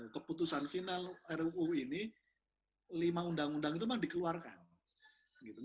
keputusan final ruu ini lima undang undang itu memang dikeluarkan